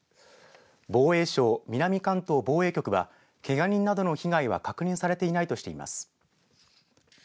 防衛省、南関東防衛局はけが人などの被害は確認されていないとしています。